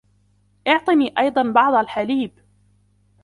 أعطني أيضاً بعض الحليب.